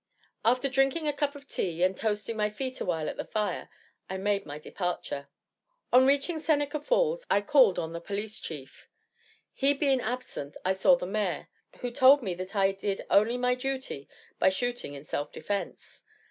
After drinking a cup of tea and toasting my feet awhile at the fire, I made my departure. On reaching Seneca Falls, I called on the chief of police; he being absent, I saw the Mayor, who told me that I did only my duty by shooting in self defense.